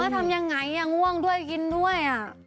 ทำยังไงง่วงด้วยกินด้วย